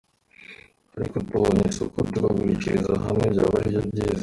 Ariko tubonye isoko tukagurishiriza hamwe byaba aribyo byiza.